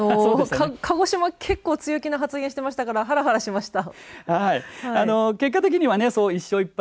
鹿児島、結構強気な発言してましたからはらはらしました。